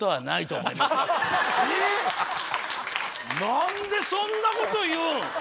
何でそんなこと言うん？